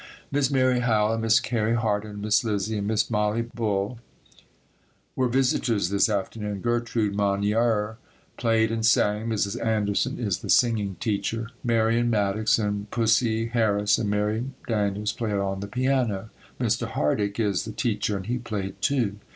Miss Mary Howell and Miss Carrie Hart and Miss Lizzie and Miss Mollie Bull were visitors this afternoon. Gertrude Monier played and sang. Mrs. Anderson is the singing teacher. Marion Maddox and Pussie Harris and Mary Daniels played on the piano. Mr. Hardick is the teacher, and he played too.